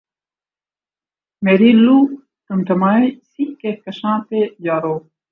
میری لؤ ٹمٹمائے اسی کہکشاں پہ یارو